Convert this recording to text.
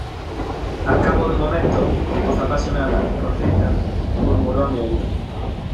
al cabo de un momento, con voz apasionada y contrita , murmuró a mi oído: